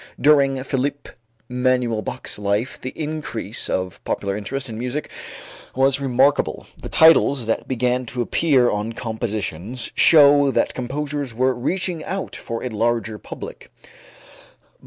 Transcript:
During Philipp Emanuel Bach's life the increase of popular interest in music was remarkable. The titles that began to appear on compositions show that composers were reaching out for a larger public.